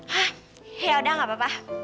hah ya udah gak apa apa